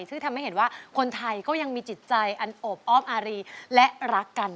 ซึ่งทำให้เห็นว่าคนไทยก็ยังมีจิตใจอันโอบอ้อมอารีและรักกัน